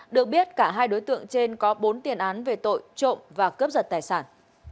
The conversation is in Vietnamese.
được biết cả hai đối tượng trên có bốn tiền án về tội trộm và cướp giật tài sản